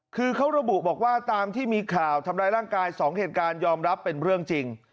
คือเขาระบุบอกว่าตามที่มีข่าวทำร้ายร่างกาย๒เหตุการณ์ยอมรับเป็นเรื่องจริง